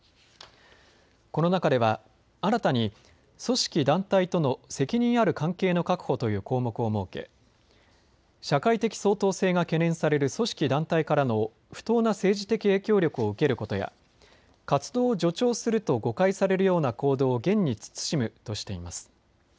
この中では新たに組織・団体との責任ある関係の確保という項目を設け社会的相当性が懸念される組織・団体からの不当な政治的影響力を受けることや活動を助長すると誤解されるような行動を厳に慎むとしています。